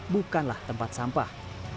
bukanlah tempat sampah